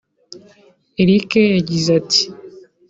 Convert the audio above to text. Eric yagize ati